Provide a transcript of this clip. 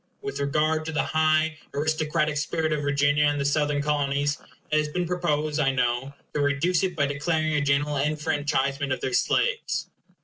With regard to the high aristocratic spirit of Virginia and the Southern Colonies, it has been proposed, I know, to reduce it by declaring a general enfranchisement of their slaves.